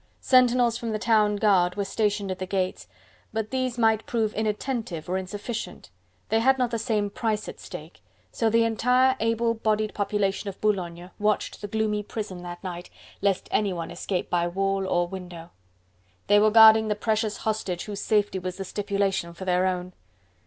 Sentinels from the town guard were stationed at the gates, but these might prove inattentive or insufficient, they had not the same price at stake, so the entire able bodied population of Boulogne watched the gloomy prison that night, lest anyone escaped by wall or window. They were guarding the precious hostage whose safety was the stipulation for their own.